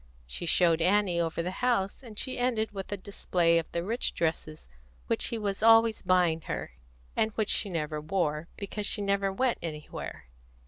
She showed Annie over the house, and she ended with a display of the rich dresses which he was always buying her, and which she never wore, because she never went anywhere.